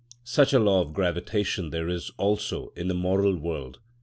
Such a law of gravitation there is also in the moral world.